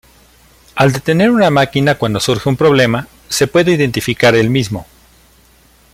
Al detener una máquina cuando surge un problema, se puede identificar el mismo.